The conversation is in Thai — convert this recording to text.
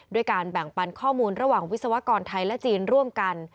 การแบ่งปันข้อมูลระหว่างวิศวกรไทยและจีนร่วมกัน